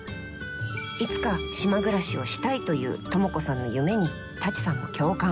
いつか島暮らしをしたいという倫子さんの夢に舘さんも共感。